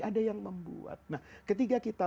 ada yang membuat nah ketika kita